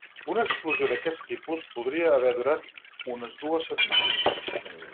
Una explosió d'aquest tipus podria haver durat unes dues setmanes.